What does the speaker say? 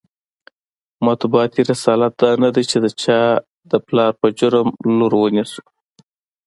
مطبوعاتي رسالت دا نه دی چې د چا د پلار په جرم لور ونیسو.